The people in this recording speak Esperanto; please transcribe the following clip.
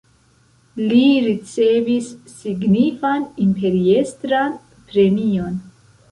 Li ricevis signifan imperiestran premion.